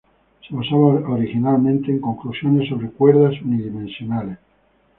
Se basaba originalmente en conclusiones sobre cuerdas unidimensionales.